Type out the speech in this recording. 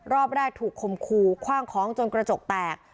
รอบแรกถูกคมคู่คว่างของจนกระจกแตก